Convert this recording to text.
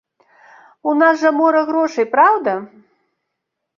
У нас жа мора грошай, праўда?